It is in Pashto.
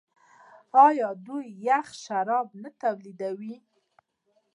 آیا دوی یخ شراب نه تولیدوي؟